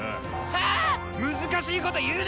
はぁ⁉難しいこと言うな！